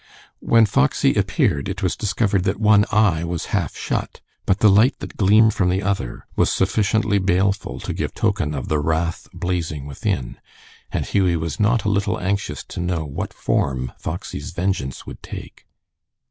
When Foxy appeared it was discovered that one eye was half shut, but the light that gleamed from the other was sufficiently baleful to give token of the wrath blazing within, and Hughie was not a little anxious to know what form Foxy's vengeance would take.